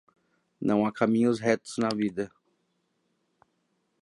Não há caminhos retos na vida.